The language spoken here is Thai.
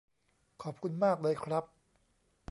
ขอบคุณมากเลยครับ